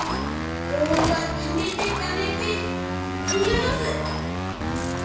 棒はためてためて振り下ろす！